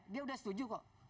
dia udah setuju kok